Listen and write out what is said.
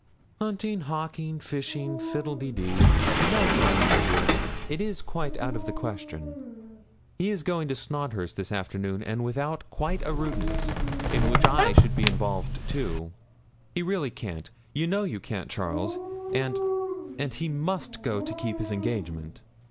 'Hunting, hawking, fishing, fiddle de dee! You know, Charlie, my dear, it is quite out of the question. He is going to Snodhurst this afternoon, and without quite a rudeness, in which I should be involved too, he really can't you know you can't, Charles! and and he must go and keep his engagement.'